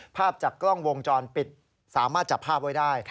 ภาพจากกล้องวงจรปิดสามารถจับภาพไว้ได้